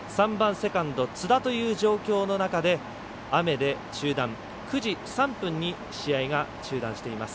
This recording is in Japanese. セカンド津田という状況の中で雨で中断、９時３分に試合が中断しています。